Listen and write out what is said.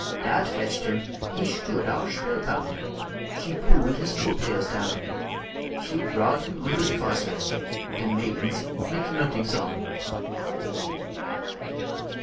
Dat fetched him he shtood all shpell pound; She pooled his coat tails down, She drawed him oonder der wasser, De maidens mit nodings on.